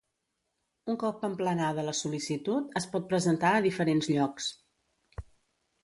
Un cop emplenada la sol·licitud, es pot presentar a diferents llocs.